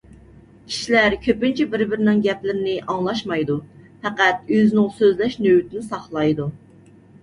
كىشىلەر كۆپىنچە بىر-بىرىنىڭ گەپلىرىنى ئاڭلاشمايدۇ، پەقەت ئۆزىنىڭ سۆزلەش نۆۋىتىنى ساقلايدۇ.